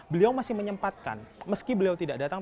beliau masih menyempatkan meski beliau tidak datang